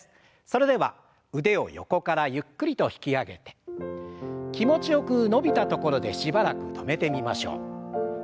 それでは腕を横からゆっくりと引き上げて気持ちよく伸びたところでしばらく止めてみましょう。